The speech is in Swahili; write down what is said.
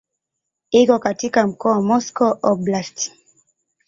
Iko katika mkoa wa Moscow Oblast.